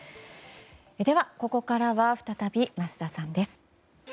では、ここからは再び桝田さんです。